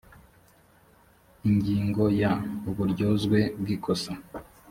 ingingo ya uburyozwe bw ikosa